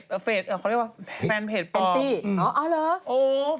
เขาเรียกว่าแฟนเพจปลอม